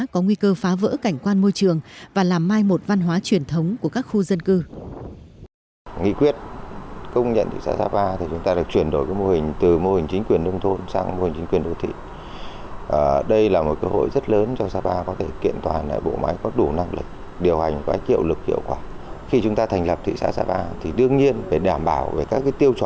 có nguy cơ phá vỡ cảnh quan môi trường và làm mai một văn hóa truyền thống của các khu dân cư